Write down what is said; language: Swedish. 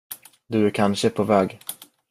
Du är kanske på väg.